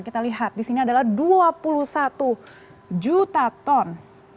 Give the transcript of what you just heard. kita lihat disini adalah dua puluh satu juta ton